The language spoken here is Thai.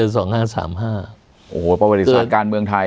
โอ้โหประวัติศาสตร์การเมืองไทย